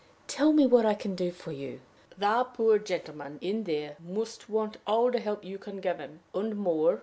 Tell me what I can do for you." "The poor gentleman in there must want all the help you can give him, and more.